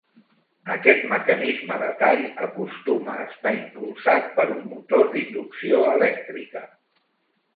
Aquest mecanisme de tall acostuma a estar impulsat per un motor d'inducció elèctrica.